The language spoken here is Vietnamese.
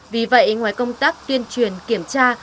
vì vậy ngoài công tác tuyên truyền kiểm tra